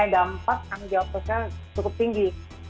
kalau kita dapat anggap anggapnya cukup tinggi